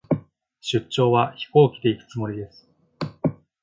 出張は、飛行機で行くつもりです。